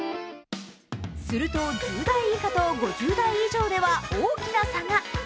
すると、１０代以下と５０代以上では大きな差が。